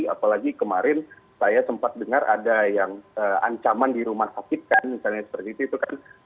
apalagi kemarin saya sempat dengar ada yang ancaman di rumah sakit kan misalnya seperti itu kan